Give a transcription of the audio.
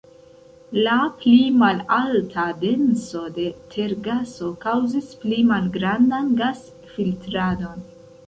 La pli malalta denso de tergaso kaŭzis pli malgrandan gas-filtradon.